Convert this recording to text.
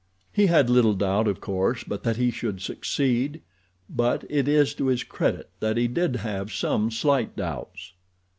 He had little doubt, of course, but that he should succeed; but it is to his credit that he did have some slight doubts.